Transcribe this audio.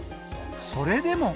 それでも。